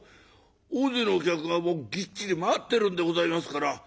大勢のお客がもうぎっちり待ってるんでございますから。